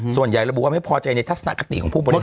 ส่วนใหญ่ระบุว่าไม่พอใจในทัศนคติของผู้บริโ